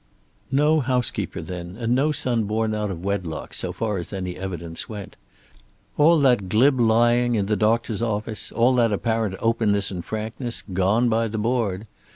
No housekeeper then, and no son born out of wedlock, so far as any evidence went. All that glib lying in the doctor's office, all that apparent openness and frankness, gone by the board!